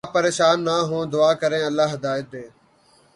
آپ پریشان نہ ہوں دعا کریں اللہ ہدایت دے